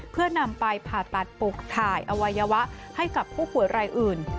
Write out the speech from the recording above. เพื่อนำไปผ่าตัดปลูกถ่ายอวัยวะให้กับผู้ป่วยรายอื่น